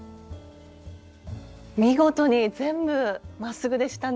見事に全部まっすぐでしたね。